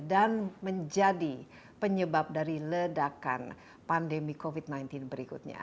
dan menjadi penyebab dari ledakan pandemi covid sembilan belas berikutnya